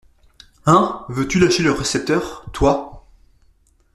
Hein ? veux-tu lâcher le récepteur, toi ?